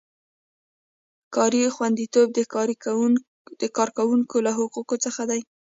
کاري خوندیتوب د کارکوونکي له حقونو څخه دی.